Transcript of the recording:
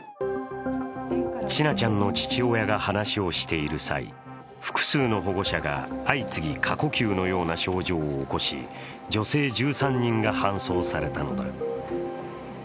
千奈ちゃんの父親が話をしている際、複数の保護者が相次ぎ過呼吸のような症状を起こし、女性１３人が搬送されたのだ。